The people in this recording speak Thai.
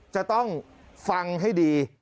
จะต้องฟังให้ดี